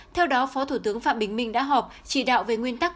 theo đó phó thủ tướng phạm bình minh đã họp chỉ đạo về nguyên tắc